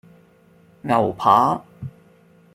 牛扒